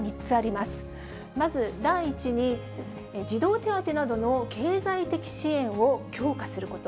まず第１に、児童手当などの経済的支援を強化すること。